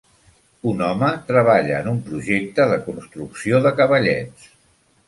Un home treballa en un projecte de construcció de cavallets.